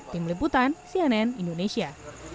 tim liputan cnn indonesia